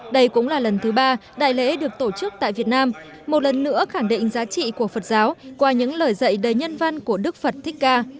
đây cũng là lần thứ ba đại lễ được tổ chức tại việt nam một lần nữa khẳng định giá trị của phật giáo qua những lời dạy đầy nhân văn của đức phật thích ca